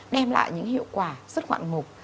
đem lại những hiệu quả rất ngoạn ngục